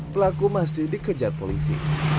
pelaku masih dikejar polisi